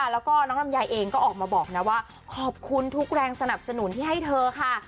แล้วก็น้องลำไยเองก็ออกมาบอกนะว่าขอบคุณทุกแรงสนับสนุนที่ให้เธอค่ะ